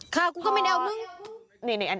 ค่ะกูก็ไม่ได้เอาเมื่อ